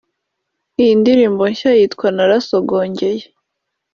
Iyi ndirimbo nshya yitwa Narasogongeye